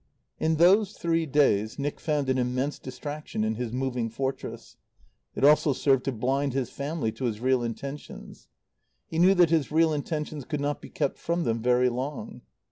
In those three days Nick found an immense distraction in his Moving Fortress. It also served to blind his family to his real intentions. He knew that his real intentions could not be kept from them very long.